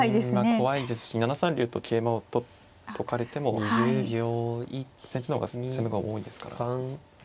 怖いですし７三竜と桂馬を取っとかれても先手の方が攻めが多いですから。